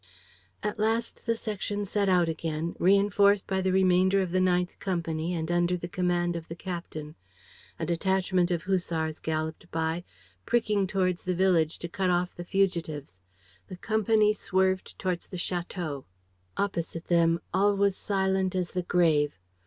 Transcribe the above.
..." At last the section set out again, reinforced by the remainder of the ninth company and under the command of the captain. A detachment of hussars galloped by, pricking towards the village to cut off the fugitives. The company swerved towards the château. Opposite them, all was silent as the grave.